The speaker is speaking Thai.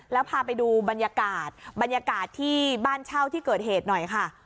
แล้วพาไปดูบรรยากาศบรรยากาศที่บ้านเช่าที่เกิดเหตุหน่อยค่ะ